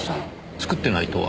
作ってないとは？